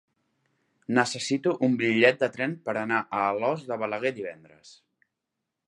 Necessito un bitllet de tren per anar a Alòs de Balaguer divendres.